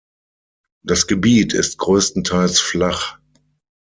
Das Gebiet ist größtenteils flach.